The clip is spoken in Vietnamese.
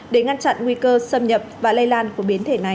để ngăn chặn nguy cơ xâm nhập và lây lan của biến thể này